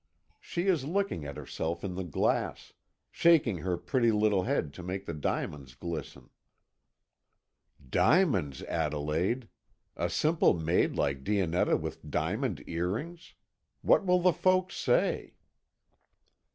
She is looking at herself in the glass, shaking her pretty little head to make the diamonds glisten." "Diamonds, Adelaide! A simple maid like Dionetta with diamond earrings! What will the folks say?"